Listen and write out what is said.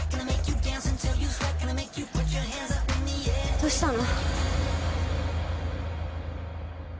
どうしたの？